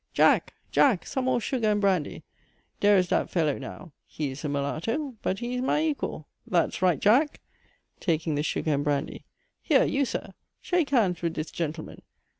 Jack! Jack! some more sugar and brandy. Dhere is dhat fellow now! He is a Mulatto but he is my equal. That's right, Jack! (taking the sugar and brandy.) Here you Sir! shake hands with dhis gentleman!